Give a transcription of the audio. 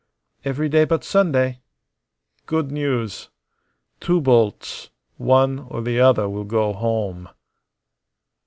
"Every day but Sunday." "Good news. Two bolts; one or the other will go home."